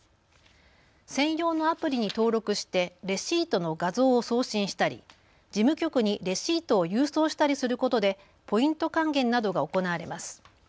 専用のアプリに登録してレシートの画像を送信したり事務局にレシートを郵送したりすることでポイント還元などが行われます。